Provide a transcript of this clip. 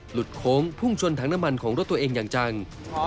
โค้งพุ่งชนถังน้ำมันของรถตัวเองอย่างจัง